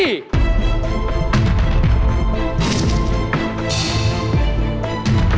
คือ